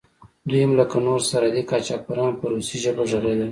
دوی هم لکه نور سرحدي قاچاقبران په روسي ژبه غږېدل.